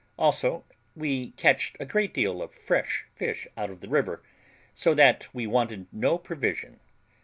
Also we catched a great deal of fresh fish out of the river, so that we wanted no provision.